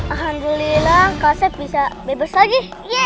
alhamdulillah kasep bisa bebas lagi